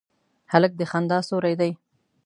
هلک د خندا سیوری دی.